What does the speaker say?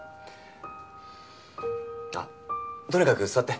あっとにかく座って。